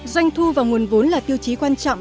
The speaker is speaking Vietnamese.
doanh thu và nguồn vốn là tiêu chí quan trọng